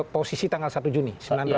posisi tanggal satu juni